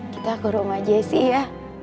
kita ke rumah jessy ya